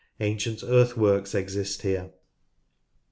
Ancient earthworks exist here.